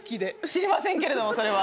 知りませんけれどそれは。